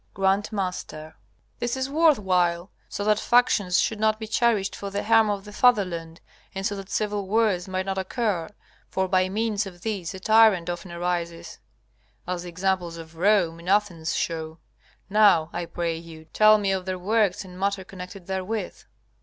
G.M. This is worth while, so that factions should not be cherished for the harm of the fatherland, and so that civil wars might not occur, for by means of these a tyrant often arises, as the examples of Rome and Athens show. Now, I pray you, tell me of their works and matter connected therewith.